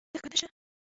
ته ښکته شه.